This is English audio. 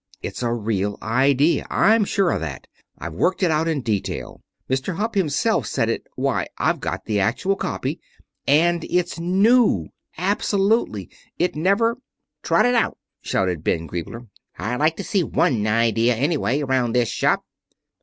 It's a real idea. I'm sure of that. I've worked it out in detail. Mr. Hupp himself said it Why, I've got the actual copy. And it's new. Absolutely. It never " "Trot it out!" shouted Ben Griebler. "I'd like to see one idea anyway, around this shop."